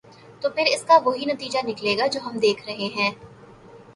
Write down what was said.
تو پھر اس کا وہی نتیجہ نکلے گا جو ہم دیکھ رہے ہیں۔